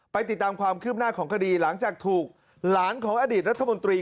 ติดตามความคืบหน้าของคดีหลังจากถูกหลานของอดีตรัฐมนตรี